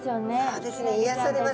そうですね。